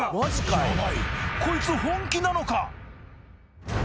ヤバいこいつ本気なのか！？